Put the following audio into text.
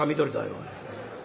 おい。